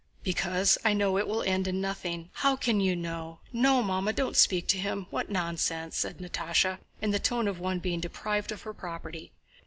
"Because I know it will end in nothing...." "How can you know? No, Mamma, don't speak to him! What nonsense!" said Natásha in the tone of one being deprived of her property.